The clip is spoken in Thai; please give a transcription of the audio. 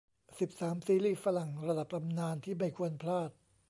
สิบสาม ซีรีส์ฝรั่งระดับตำนานที่ไม่ควรพลาด